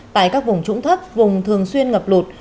tại các vùng trũng thấp vùng thường xuyên ngập lụt